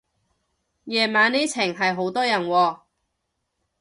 夜晚呢程係好多人喎